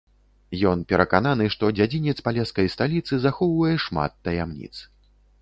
Ён перакананы, што дзядзінец палескай сталіцы захоўвае шмат таямніц.